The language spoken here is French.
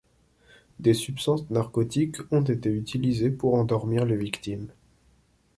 Des substances narcotiques ont été utilisés pour endormir les victimes.